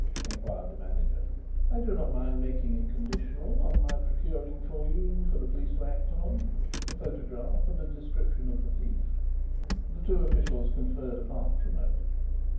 inquired the manager. "I do not mind making it conditional on my procuring for you, for the police to act on, a photograph and a description of the thief." The two officials conferred apart for a moment.